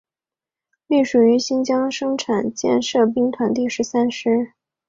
隶属于新疆生产建设兵团第十三师。